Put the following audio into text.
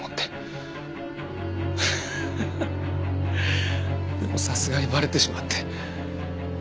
フフッでもさすがにバレてしまって。